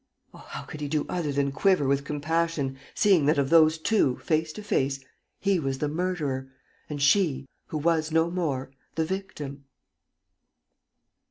Oh! how could he do other than quiver with compassion, seeing that of those two, face to face, he was the murderer, and she, who was no more, the victim?